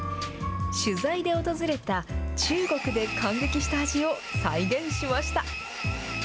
取材で訪れた中国で感激した味を再現しました。